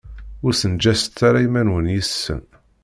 Ur ssenǧaset ara iman-nwen yes-sen.